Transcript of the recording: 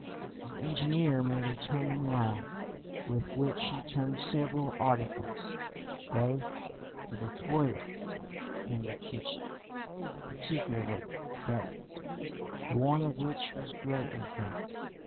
The engineer made a turning lathe, with which he turned several articles both for the toilet and the kitchen, particularly buttons, the want of which was greatly felt.